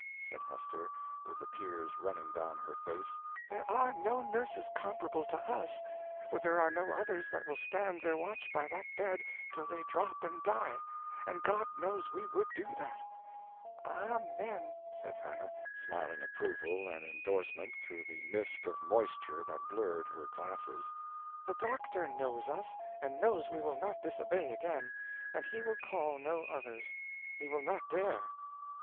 said Hester, with the tears running down her face. "There are no nurses comparable to us, for there are no others that will stand their watch by that bed till they drop and die, and God knows we would do that." "Amen," said Hannah, smiling approval and endorsement through the mist of moisture that blurred her glasses. "The doctor knows us, and knows we will not disobey again; and he will call no others. He will not dare!"